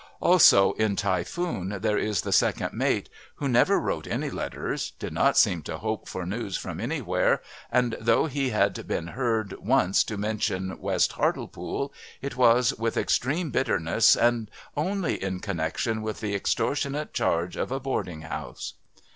Also in Typhoon there is the second mate "who never wrote any letters, did not seem to hope for news from anywhere; and though he had been heard once to mention West Hartlepool, it was with extreme bitterness, and only in connection with the extortionate charges of a boarding house."